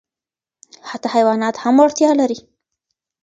حتی حیوانات هم وړتیا لري.